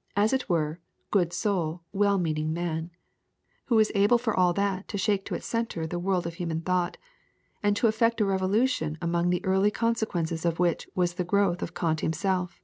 .. as it were, 'good soul, well meaning man,' who was able for all that to shake to its centre the world of human thought, and to effect a revolution among the early consequences of which was the growth of Kant himself."